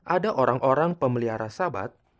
ada orang orang pemelihara sahabat